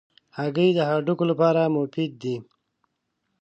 هګۍ د هډوکو لپاره مفید دي.